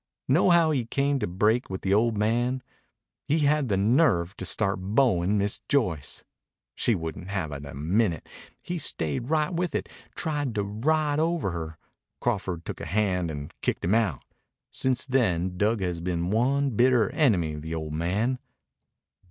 "Know how he came to break with the old man? He had the nerve to start beauin' Miss Joyce. She wouldn't have it a minute. He stayed right with it tried to ride over her. Crawford took a hand and kicked him out. Since then Dug has been one bitter enemy of the old man."